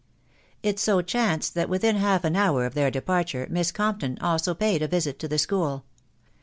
It so chanced that within half an hour of their departure Miss Compton also paid a visit to the school.